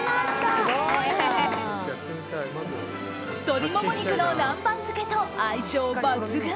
鶏もも肉の南蛮漬けと相性抜群